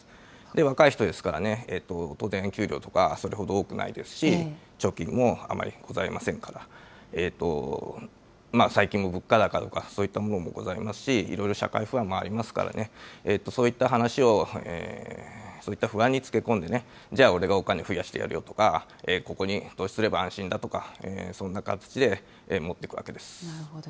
若い人ですからね、当然、給料とかそれほど多くないですし、貯金もあまりございませんから、最近の物価高とか、そういったものもございますし、いろいろ社会不安もありますからね、そういった話を、そういった不安につけ込んで、じゃあ、俺がお金を殖やしてやるよとか、ここに投資すれば安心だとか、そんな形で、もっていくわけなるほど。